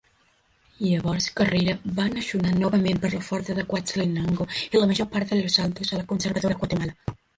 Llavors, Carrera va annexionar novament per la força Quetzaltenango i la major part de Los Altos a la conservadora Guatemala.